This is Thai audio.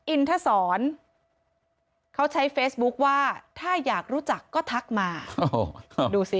อินทศรเขาใช้เฟซบุ๊คว่าถ้าอยากรู้จักก็ทักมาโอ้โหดูสิ